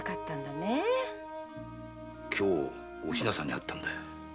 今日お品さんに会ったんだよ。